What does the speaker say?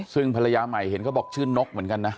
ซึ่งภรรยาใหม่เห็นเขาบอกชื่อนกเหมือนกันนะ